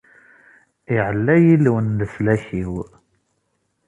Iɛella Yillu n leslak-iw!